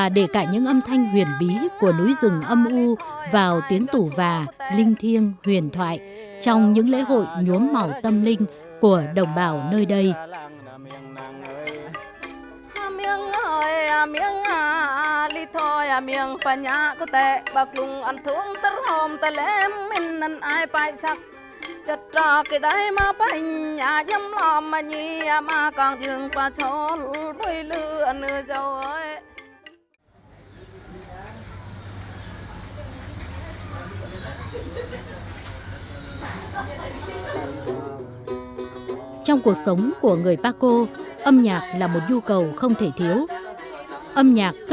để những âm thanh xào xạc của tiếng lá như len lõi vào từng khúc nhạc của cây khèn bè